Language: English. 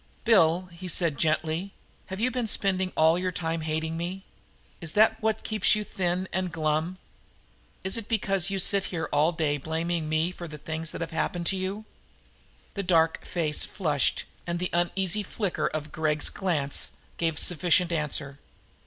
"Bill," he said gently, "have you been spending all your time hating me? Is that what keeps you thin and glum? Is it because you sit here all day blaming me for all the things that have happened to you?" The dark flush and the uneasy flicker of Gregg's glance gave a sufficient answer.